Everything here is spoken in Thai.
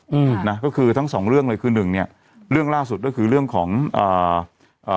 อืมนะก็คือทั้งสองเรื่องเลยคือหนึ่งเนี้ยเรื่องล่าสุดก็คือเรื่องของอ่าเอ่อ